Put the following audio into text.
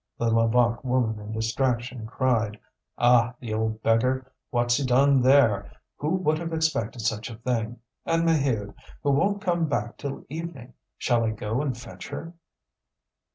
The Levaque woman in distraction cried: "Ah, the old beggar! what's he done there? Who would have expected such a thing? And Maheude, who won't come back till evening! Shall I go and fetch her?"